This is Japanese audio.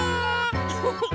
フフフ。